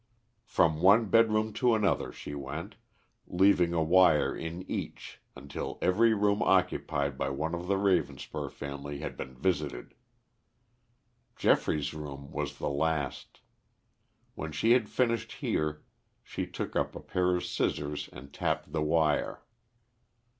From one bed room to another she went, leaving a wire in each until every room occupied by one of the Ravenspur family had been visited. Geoffrey's room was the last. When she had finished here she took up a pair of scissors and tapped the wire.